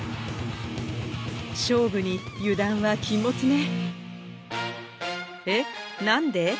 勝負に油断は禁物ね。